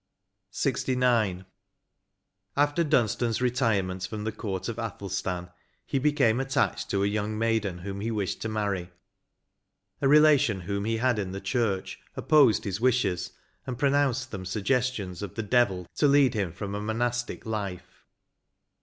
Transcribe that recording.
J 88 LXIX. After Dunstan's retirement from the court of Athelstan, he became attached to a young maiden whom he wished to marry ; a relation whom he had in the church, opposed his wishes, and pronounced them suggestions of the devil to lead him from a monastic life.